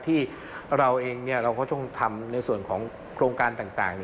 ที่เราเองเราก็ต้องทำในส่วนของโครงการต่าง